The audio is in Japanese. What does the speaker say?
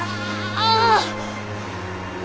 ああ！